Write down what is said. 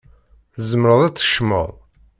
Tzemreḍ ad d-tkecmeḍ.